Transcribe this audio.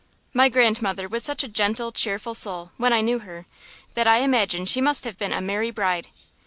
My grandmother was such a gentle, cheerful soul, when I knew her, that I imagine she must have been a merry bride.